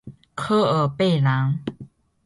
科尔贝兰。